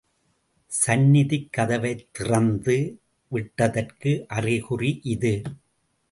சந்நிதிக் கதவைத் திறந்து விட்டதற்கு அறிகுறி இது.